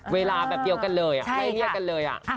เวลาแบบเยอะกันเลยใช่ค่ะ